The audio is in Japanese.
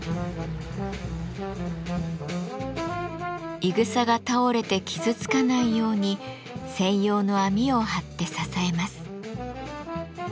いぐさが倒れて傷つかないように専用の網を張って支えます。